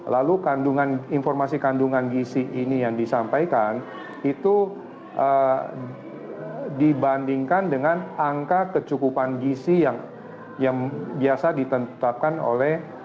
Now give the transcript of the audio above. lalu informasi kandungan gisi ini yang disampaikan itu dibandingkan dengan angka kecukupan gisi yang biasa ditetapkan oleh